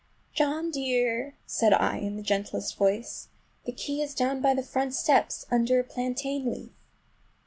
"John dear!" said I in the gentlest voice, "the key is down by the front steps, under a plantain leaf!"